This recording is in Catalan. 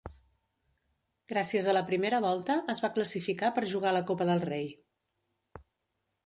Gràcies a la primera volta es va classificar per jugar la Copa del Rei.